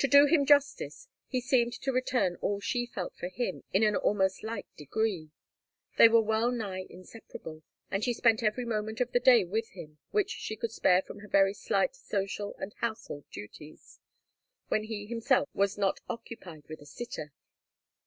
To do him justice, he seemed to return all she felt for him in an almost like degree. They were well nigh inseparable, and she spent every moment of the day with him which she could spare from her very slight social and household duties, when he himself was not occupied with a sitter.